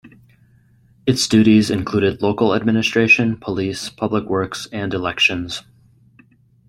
Its duties included local administration, police, public works and elections.